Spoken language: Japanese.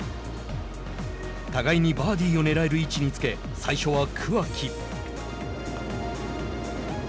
互いにバーディーをねらえる位置につけ、最初は桑木。